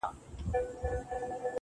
په تهمتونو کي بلا غمونو_